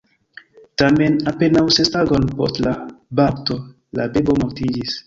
Tamen, apenaŭ ses tagojn post la bapto, la bebo mortiĝis.